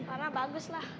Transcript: karena bagus lah